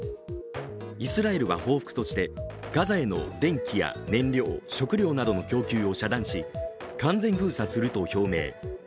イスラエルは報復としてガザへの電気や燃料、食料などの供給を遮断し、完全封鎖すると表明。